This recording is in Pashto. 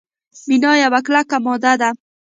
مینا یوه کلکه ماده ده.